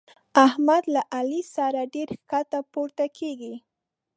احمد له علي سره ډېره کښته پورته کېږي.